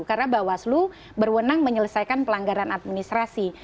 karena bawaslu berwenang menyelesaikan pelanggaran administrasi